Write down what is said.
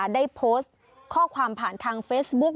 ได้โพสต์ข้อความผ่านทางเฟซบุ๊ค